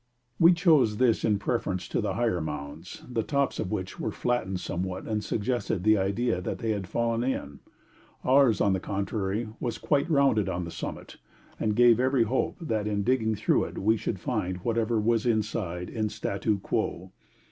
We chose this in preference to the higher mounds, the tops of which were flattened somewhat and suggested the idea that they had fallen in. Ours, on the contrary, was quite rounded on the summit, and gave every hope that in digging through it we should find whatever was inside in statu quo.